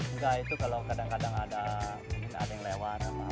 enggak itu kalau kadang kadang ada yang lewat